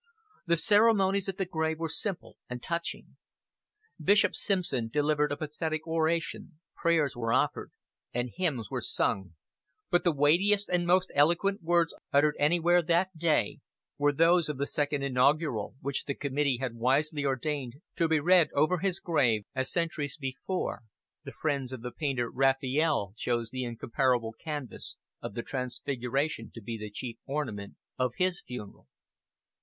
The ceremonies at the grave were simple and touching. Bishop Simpson delivered a pathetic oration, prayers were offered, and hymns were sung, but the weightiest and most eloquent words uttered anywhere that day were those of the Second Inaugural, which the Committee had wisely ordained to be read over his grave, as centuries before, the friends of the painter Raphael chose the incomparable canvas of "The Transfiguration" to be the chief ornament of his funeral.